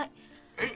えっ⁉